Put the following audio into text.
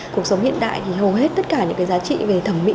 cuộc sống hiện đại thì hầu hết tất cả những cái giá trị về thẩm mỹ